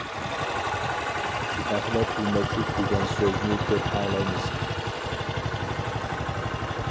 ئەخلەت يېمەكلىك دېگەن سۆزنى كۆپ ئاڭلايمىز.